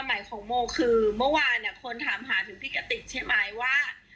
ไม่ขอเจอเลยใช่ไหมคุณกระติกไม่เจอดีกว่า